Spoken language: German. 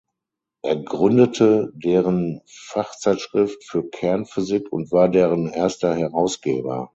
Er gründete deren Fachzeitschrift für Kernphysik und war deren erster Herausgeber.